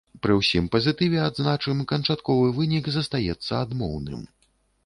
Пры ўсім пазітыве, адзначым, канчатковы вынік застаецца адмоўным.